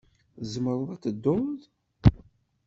Tzemreḍ ad tedduḍ?